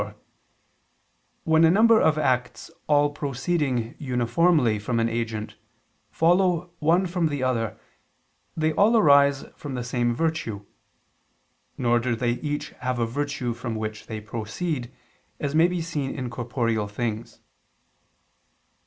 4), when a number of acts all proceeding uniformly from an agent, follow one from the other, they all arise from the same virtue, nor do they each have a virtue from which they proceed, as may be seen in corporeal things.